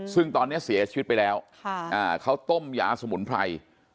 ซึ่งตอนนี้เสียชีวิตไปแล้วเขาต้มยาสมุนไพร